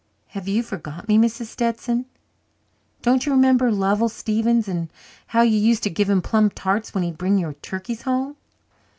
"Have you forgot me, Mrs. Stetson? Don't you remember Lovell Stevens and how you used to give him plum tarts when he'd bring your turkeys home?"